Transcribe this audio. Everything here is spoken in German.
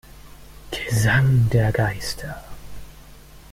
Gesang der Geister“.